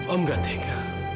om gak tega